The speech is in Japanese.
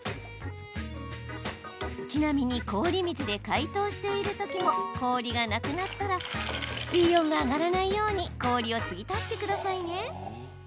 ちなみに氷水で解凍している時も氷がなくなったら水温が上がらないように氷をつぎ足してくださいね。